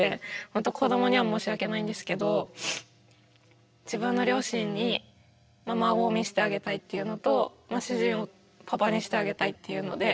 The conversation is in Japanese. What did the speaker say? ほんと子どもには申し訳ないんですけど自分の両親に孫を見せてあげたいっていうのと主人をパパにしてあげたいっていうので。